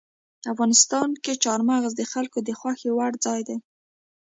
افغانستان کې چار مغز د خلکو د خوښې وړ ځای دی.